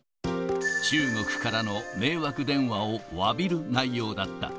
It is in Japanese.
中国からの迷惑電話をわびる内容だった。